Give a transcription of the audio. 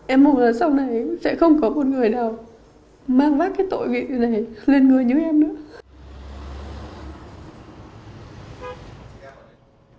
em mong là sau này sẽ không có một người nào mang vác cái tội nghị này lên người như em nữa